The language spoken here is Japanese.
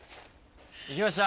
いきました。